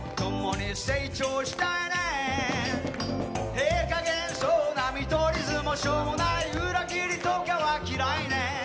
ええ加減そうな見取り図もしょうもない裏切りとかは嫌いねん。